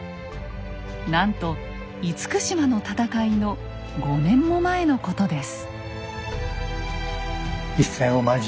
なんと厳島の戦いの５年も前のことです。